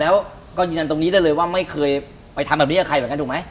แล้วก็ยืนยันตรงนี้ได้เลยว่าไม่เคยไปทำแบบนี้กับใครเหมือนกันถูกไหม